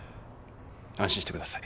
安心してください。